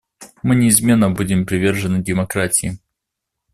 Мы неизменно будем привержены демократии.